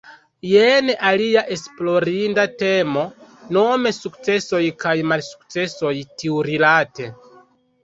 Jen alia esplorinda temo, nome sukcesoj kaj malsukcesoj tiurilate.